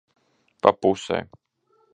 Pa pusei.